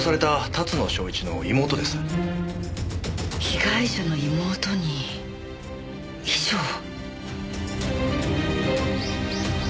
被害者の妹に遺書を？